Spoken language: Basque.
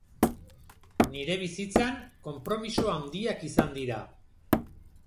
Nire bizitzan, konpromiso handiak izan dira.